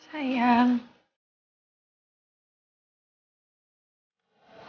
sayang zia terima kasih